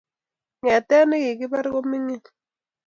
Ngetet nekikibar kokimingin